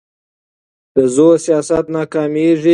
د زور سیاست ناکامېږي